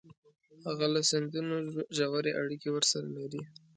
هغه له سندونو ژورې اړیکې ورسره لري